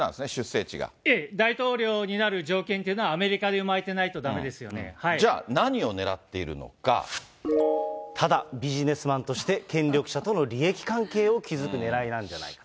ええ、大統領になる条件というのはアメリカで生まれてないとだめですよじゃあ、何をねらっているのただ、ビジネスマンとして権力者との利益関係を築くねらいなんじゃないか。